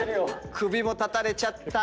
首も断たれちゃった。